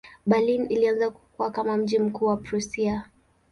Berlin ilianza kukua kama mji mkuu wa Prussia.